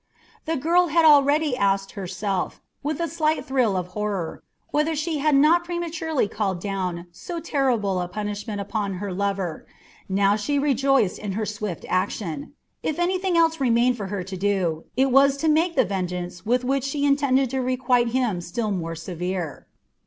The girl had already asked herself, with a slight thrill of horror, whether she had not prematurely called down so terrible a punishment upon her lover; now she rejoiced in her swift action. If anything else remained for her to do, it was to make the vengeance with which she intended to requite him still more severe.